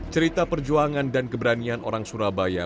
cerita perjuangan dan keberanian orang surabaya